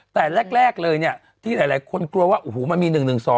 แต่แรกเลยเนี่ยที่หลายคนกลัวว่าโอ้โหมันมี๑๑๒